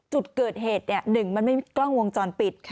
จุดเกิดเหตุ๑มันไม่มีกล้องวงจรปิด